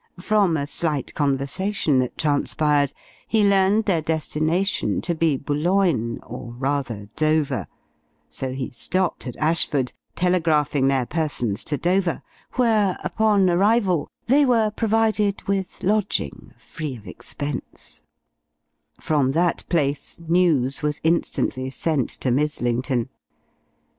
From a slight conversation that transpired, he learned their destination to be Boulogne, or rather, Dover; so he stopped at Ashford, telegraphing their persons to Dover, where, upon arrival, they were provided with lodging free of expense; from that place news was instantly sent to Mizzlington.